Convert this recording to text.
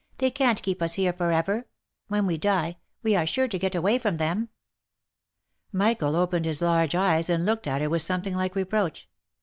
They can't keep us here for ever. When we die, we are sure to get away from them." Michael opened his large eyes and looked at her with something like reproach.